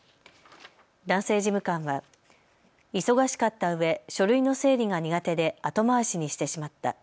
男性事務官は忙しかったうえ書類の整理が苦手で後回しにしてしまった。